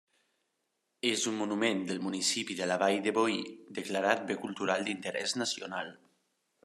És un monument del municipi de la Vall de Boí declarat bé cultural d'interès nacional.